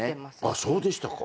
そうでしたか。